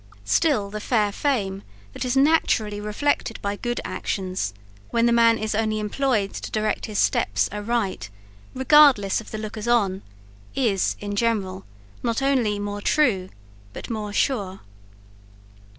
Still the fair fame that is naturally reflected by good actions, when the man is only employed to direct his steps aright, regardless of the lookers on, is in general, not only more true but more sure.